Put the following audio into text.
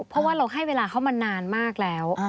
เพราะว่าเราให้เวลาเขามานานมากแล้ว